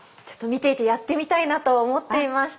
見ていてやってみたいなと思っていました。